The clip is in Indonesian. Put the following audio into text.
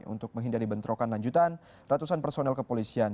untuk menghindari bentrokan lanjutan ratusan personel kepolisian